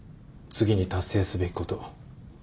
次に達成すべきこと。